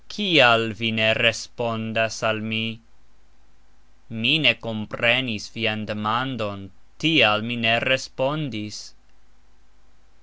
Kial vi ne respondas al mi? Mi ne komprenis vian demandon, tial mi ne respondis.